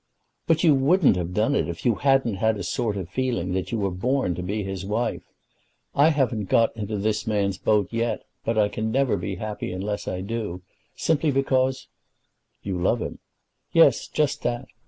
"But you wouldn't have done it, if you hadn't had a sort of feeling that you were born to be his wife. I haven't got into this man's boat yet; but I never can be happy unless I do, simply because " "You love him." "Yes; just that.